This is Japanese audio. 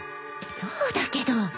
そうだけど。